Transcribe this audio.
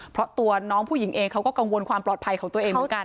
เพราะตัวน้องผู้หญิงเองเขาก็กังวลความปลอดภัยของตัวเองเหมือนกัน